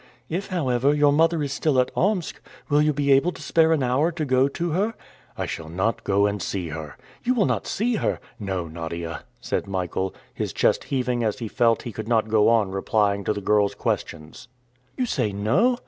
"If, however, your mother is still at Omsk, you will be able to spare an hour to go to her?" "I shall not go and see her." "You will not see her?" "No, Nadia," said Michael, his chest heaving as he felt he could not go on replying to the girl's questions. "You say no!